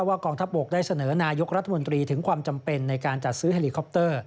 กองทัพบกได้เสนอนายกรัฐมนตรีถึงความจำเป็นในการจัดซื้อเฮลิคอปเตอร์